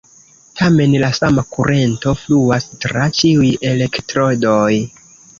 Tamen, la sama kurento fluas tra ĉiuj elektrodoj.